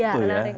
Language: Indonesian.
oh menarik tuh ya